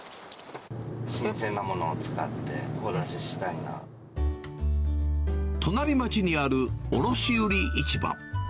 新鮮なものを使って、お出し隣町にある卸売市場。